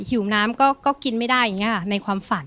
หิวน้ำก็กินไม่ได้อย่างนี้ค่ะในความฝัน